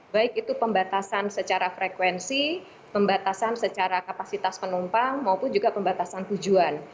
baik itu pembatasan secara frekuensi pembatasan secara kapasitas penumpang maupun juga pembatasan tujuan